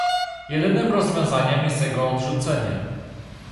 Jedynym rozwiązaniem jest jego odrzucenie